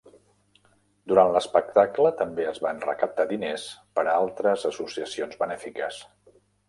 Durant l'espectacle també es van recaptar diners per a altres associacions benèfiques.